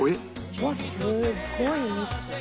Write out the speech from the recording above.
うわっすごい蜜！